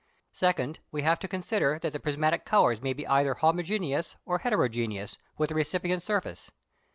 Secondly, we have to consider that the prismatic colours may be either homogeneous or heterogeneous, with the recipient surface.